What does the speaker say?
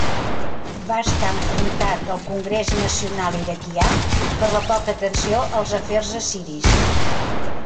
Va estar enfrontat al Congrés Nacional Iraquià per la poca atenció als afers assiris.